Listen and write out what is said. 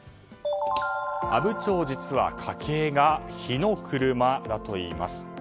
阿武町、実は家計が火の車だといいます。